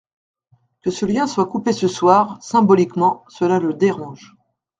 Que ce lien soit coupé ce soir, symboliquement, cela le dérange.